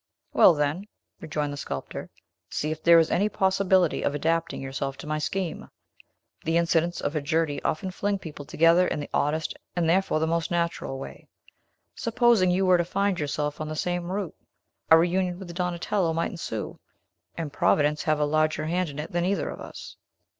"Well, then," rejoined the sculptor, "see if there is any possibility of adapting yourself to my scheme. The incidents of a journey often fling people together in the oddest and therefore the most natural way. Supposing you were to find yourself on the same route, a reunion with Donatello might ensue, and Providence have a larger hand in it than either of us."